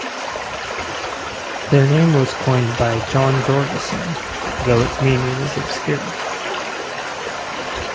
Their name was coined by John Jorgenson, though its meaning is obscure.